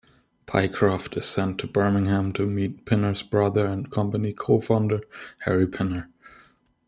Pycroft is sent to Birmingham to meet Pinner's brother and company co-founder, Harry Pinner.